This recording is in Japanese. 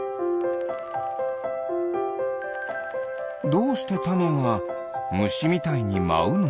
どうしてタネがムシみたいにまうの？